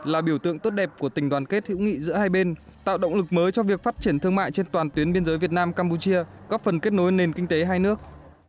là biểu tượng tốt đẹp của tình đoàn kết hữu nghị giữa hai bên tạo động lực mới cho việc phát triển thương mại trên toàn tuyến biên giới việt nam campuchia góp phần kết nối nền kinh tế hai nước